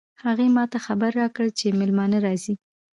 هغې ما ته خبر راکړ چې مېلمانه راځي